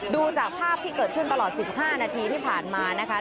ดูจากภาพที่เกิดขึ้นตลอด๑๕นาทีที่ผ่านมานะคะ